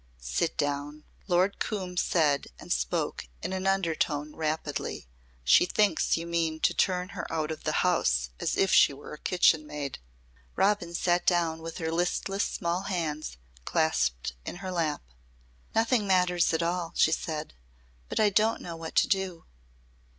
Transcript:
"Sit down," Lord Coombe said and spoke in an undertone rapidly. "She thinks you mean to turn her out of the house as if she were a kitchen maid." Robin sat down with her listless small hands clasped in her lap. "Nothing matters at all," she said, "but I don't know what to do."